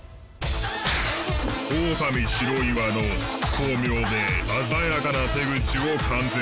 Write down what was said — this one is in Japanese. オオカミ白岩の巧妙で鮮やかな手口を完全公開。